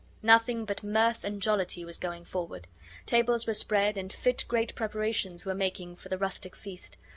Nothing but mirth and jollity was going forward. Tables were spread and fit great preparations were making for the rustic feast.